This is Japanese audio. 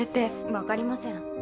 分かりません。